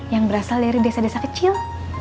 yang berasal dari desa desa kecil